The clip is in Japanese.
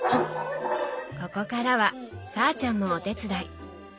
ここからはさぁちゃんもお手伝い。